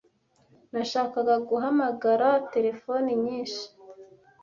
Nashakaga guhamagara terefone nyinshi.